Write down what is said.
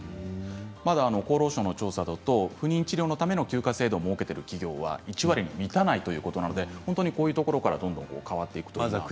まだ厚労省の調査だと不妊治療の休暇制度を設けている企業は１割にも満たないということなのでこういうところから、どんどんやっていくことが必要ですね。